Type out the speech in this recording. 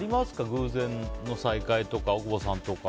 偶然の再会とか、大久保さんとか。